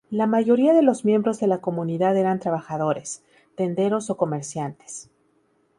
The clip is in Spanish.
La mayoría de los miembros de la comunidad eran trabajadores, tenderos o comerciantes.